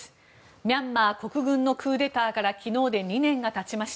ミャンマー国軍のクーデターから昨日で２年が経ちました。